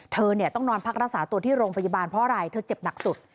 เธอต้องนอนพักรักษาตัวที่โรงพยาบาลเพราะอะไรเธอเจ็บหนักสุด